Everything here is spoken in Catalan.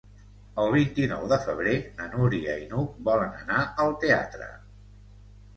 El vint-i-nou de febrer na Núria i n'Hug volen anar al teatre.